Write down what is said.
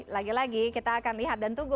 lagi lagi kita akan lihat dan tunggu